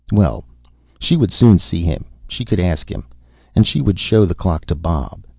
Well, she would soon see him: she could ask him. And she would show the clock to Bob.